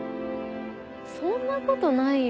そんなことないよ。